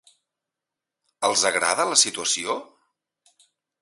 Els agrada la situació?